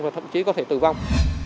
và thậm chí có thể tử vong